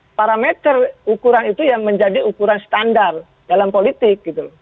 tetapi parameter ukuran itu yang menjadi ukuran standar dalam politik gitu